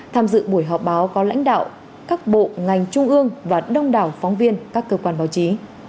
tham dự buổi họp báo có lãnh đạo các bộ ngành trung ương và đông đảo phóng viên các cơ quan báo chí